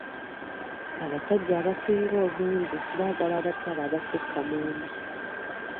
Abasajja abasinga obungi baagala abakyala abasukka mu omu.